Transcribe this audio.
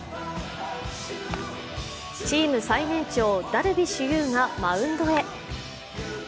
チーム最年長、ダルビッシュ有がマウンドへ。